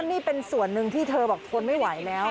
นี่เป็นส่วนหนึ่งที่เธอบอกทนไม่ไหวแล้ว